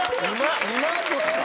今ですか？